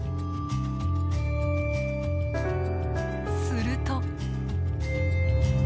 すると。